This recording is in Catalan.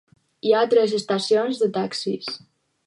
Hi ha tres estacions de taxis: